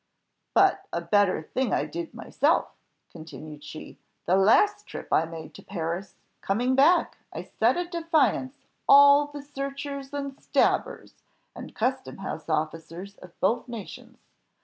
"But a better thing I did myself," continued she; "the last trip I made to Paris coming back, I set at defiance all the searchers and stabbers, and custom house officers of both nations.